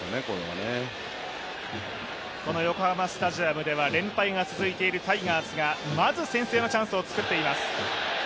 横浜スタジアムでは連敗が続いているタイガースがまず先制のチャンスを作っています。